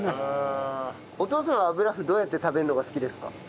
お父さんは油麩どうやって食べるのが好きですか？